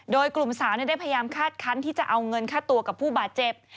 โดยกลุ่มสาวได้พยายามคาดคันที่จะเอาเงินค่าตัวกับผู้บาดเจ็บ